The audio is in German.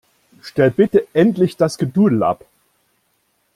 Stellt bitte endlich das Gedudel ab!